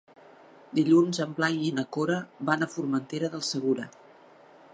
Dilluns en Blai i na Cora van a Formentera del Segura.